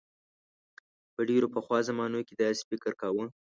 په ډیرو پخوا زمانو کې داسې فکر کاؤ.